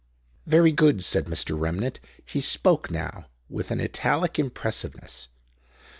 "Very good," said Mr. Remnant. He spoke now with an italic impressiveness.